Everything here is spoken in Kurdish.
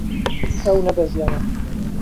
Em nebeziyane.